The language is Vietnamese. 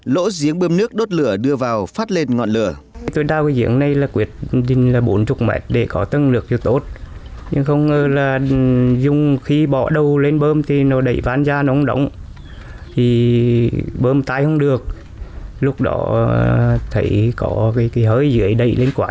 lỗ giếng bơm nước đốt lửa đưa vào phát lên ngọn lửa